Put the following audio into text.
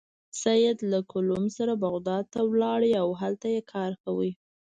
سید له کلوم سره بغداد ته لاړ او هلته یې کار کاوه.